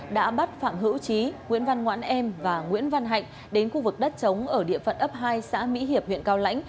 đã bắt phạm hữu trí nguyễn văn ngoãn em và nguyễn văn hạnh đến khu vực đất chống ở địa phận ấp hai xã mỹ hiệp huyện cao lãnh